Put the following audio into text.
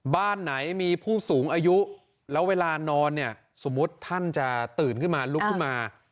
บ้านไหนมีผู้สูงอายุแล้วเวลานอนเนี่ยสมมุติท่านจะตื่นขึ้นมาลุกขึ้นมา